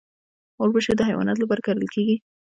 وربشې د حیواناتو لپاره کرل کیږي.